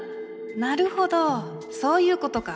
なるほどそういうことか。